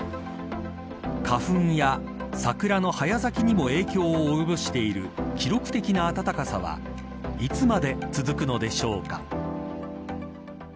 花粉や桜の早咲きにも影響を及ぼしている記録的な暖かさはいつまで続くのでしょうか。